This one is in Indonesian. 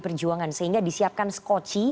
perjuangan sehingga disiapkan skoci